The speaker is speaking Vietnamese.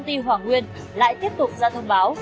như hoàng nguyên lại tiếp tục ra thông báo